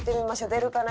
出るかな？